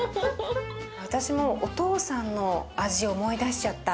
私もお父さんの味思い出しちゃった。